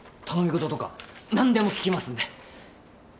頼み事とか何でも聞きますんで。